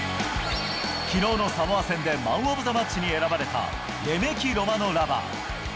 きのうのサモア戦で、マンオブザマッチに選ばれたレメキロマノラヴァ。